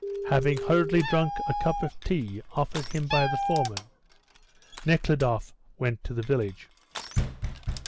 Having hurriedly drank a cup of tea offered him by the foreman, Nekhludoff went to the village.